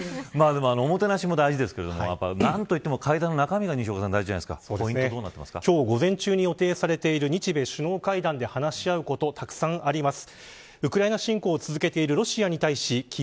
おもてなしも大事ですが何と言っても会談の中身が今日、午前中に予定されている日米首脳会談で話し合うことたくさんあります。